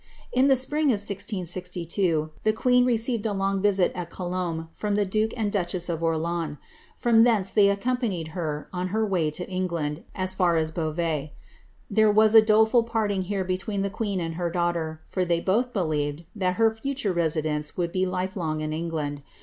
In the spring of 16(12, lbs queen received a long visit at Colombe from the duke and duchess of Orleans ; from thence they accompanied her, on her way to England, m far as Beauvais. Tliere was a doleful porting here between the queea and her daughter, for they both believed that her future residence wooU be life long in England.